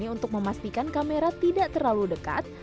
untuk memastikan kamera tidak terlalu dekat